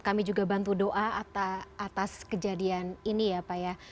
kami juga bantu doa atas kejadian ini ya pak ya